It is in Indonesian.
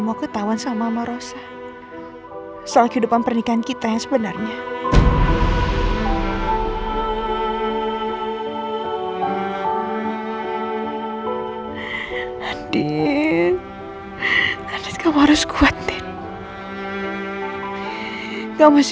aku akan coba meskipun jalan itu membuatku berdarah darah mas